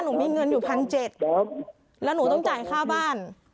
หนูมีเงินอยู่พันเจ็ดแล้วหนูต้องจ่ายค่าบ้าน